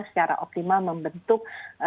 secara optimal membentuk